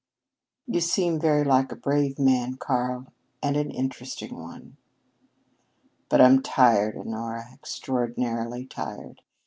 "You seem very like a brave man, Karl, and an interesting one." "But I'm tired, Honora, extraordinarily tired.